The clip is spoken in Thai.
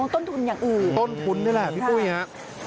ต้นทุนอย่างอื่นต้นทุนนี่แหละพี่ปุ้ยครับ